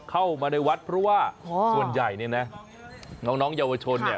เข้ามาในวัดเพราะว่าส่วนใหญ่เนี่ยนะน้องเยาวชนเนี่ย